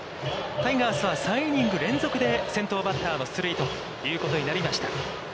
タイガースは、３イニングス連続で先頭バッターの出塁ということになりました。